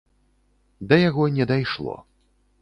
Да яго не дайшло.